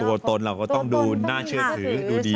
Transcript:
ตัวตนเราก็ต้องดูน่าเชื่อถือดูดี